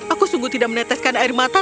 aku sungguh tidak meneteskan air mata